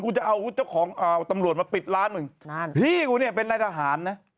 กูจะเอาตำรวจมาปิดร้านมึงพี่กูเนี่ยเป็นรายทหารนะ